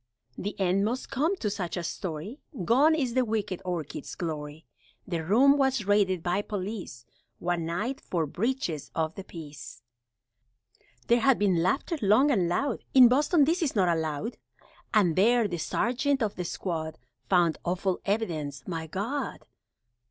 The end must come to such a story, Gone is the wicked Orchids' glory, The room was raided by police, One night, for breaches of the Peace (There had been laughter, long and loud, In Boston this is not allowed), And there, the sergeant of the squad Found awful evidence my God!